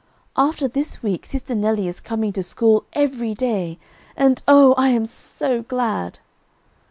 "After this week sister Nelly is coming to school every day, and oh, I am so glad!"